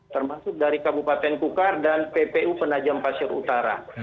termasuk dari kabupaten kukar dan ppu penajam pasir utara